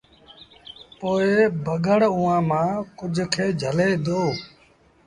پوء بگھڙ اُئآݩٚ مآݩٚ ڪجھ کي جھلي دو